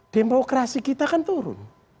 demokrasi kita kan turun